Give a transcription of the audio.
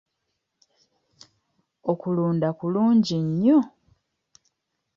Okulunda kulungi nnyo.